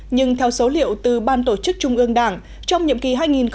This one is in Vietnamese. nhưng theo số liệu từ ban tổ chức trung ương đảng trong nhiệm kỳ hai nghìn một mươi năm hai nghìn hai mươi